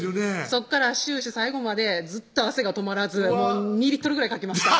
そっから終始最後までずっと汗が止まらず２リットルぐらいかきました